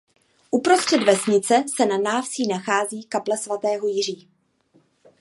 Uprostřed vesnice se na návsi nachází kaple svatého Jiří.